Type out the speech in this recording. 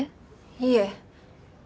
いえ！